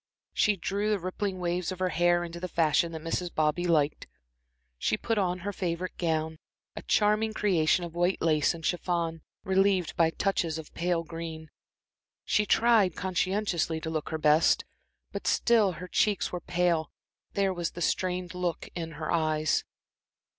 She drew the rippling waves of her hair into the fashion that Mrs. Bobby liked, she put on her favorite gown, a charming creation of white lace and chiffon, relieved by touches of pale green; she tried conscientiously to look her best, but still her cheeks were pale, there was the strained look in her eyes.